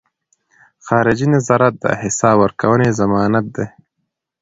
خارجي نظارت د حساب ورکونې ضمانت دی.